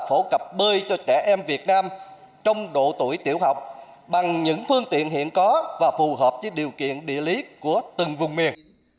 phổ cập bơi cho trẻ em việt nam trong độ tuổi tiểu học bằng những phương tiện hiện có và phù hợp với điều kiện địa lý của từng vùng miền